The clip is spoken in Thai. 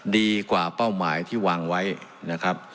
ดีกว่าเป้าหมายที่วางไว้นะครับ